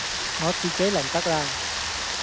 我自己嚟得喇